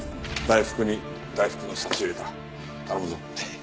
大福に大福の差し入れだ。頼むぞ。